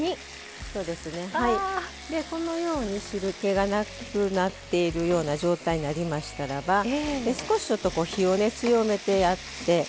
汁けがなくなっているような状態になりましたら少し火を強めてやって。